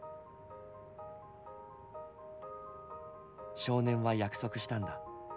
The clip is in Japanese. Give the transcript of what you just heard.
少年は約束したんだ。